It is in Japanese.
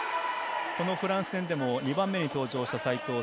フランス戦でも２番目に登場した西藤。